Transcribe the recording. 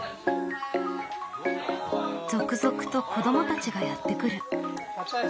続々と子どもたちがやって来る。